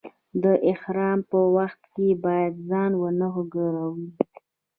د احرام په وخت کې باید ځان و نه ګروئ.